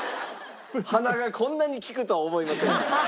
鼻がこんなに利くとは思いませんでした。